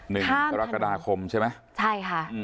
นึงกรกฎาคมใช่ไหมใช่ค่ะ